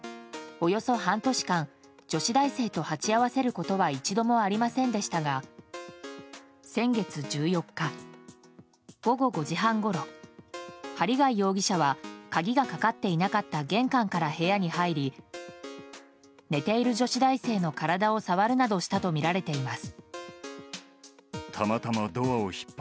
およそ半年間女子大生と鉢合わせることは一度もありませんでしたが先月１４日、午後５時半ごろ針谷容疑者は鍵がかかっていなかった玄関から部屋に入り寝ている女子大生の体を触るなどしたとみられています。